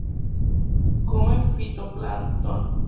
Come fitoplancton.